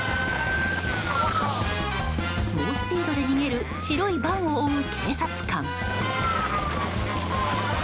猛スピードで逃げる白いバンを追う警察官。